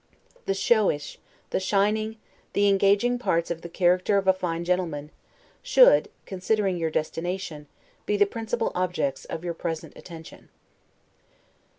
The showish, the shining, the engaging parts of the character of a fine gentleman, should (considering your destination) be the principal objects, of your present attention.